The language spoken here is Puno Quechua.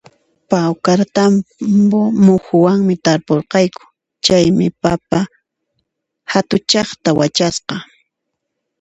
Pawkartambo muhuwanmi tarpurqayku, chaymi papa hatuchaqta wachasqa